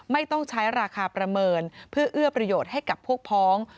ไม่ต้องใช้ราคาประเมินเพื่อเอื้อประโยชน์ให้กับพวกพ้อง